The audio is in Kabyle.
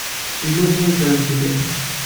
Yella kra ay ffrent fell-i.